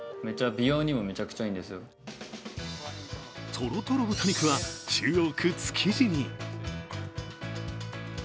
トロトロ豚肉は中央区築地に。